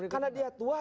karena dia tua